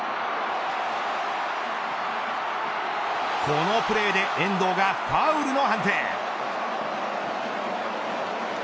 このプレーで遠藤がファウルの判定。